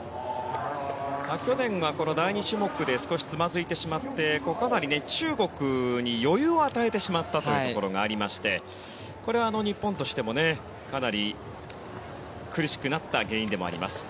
去年はこの第２種目で少しつまずいてしまってかなり中国に余裕を与えてしまったところがありましてこれは日本としても、かなり苦しくなった原因でもあります。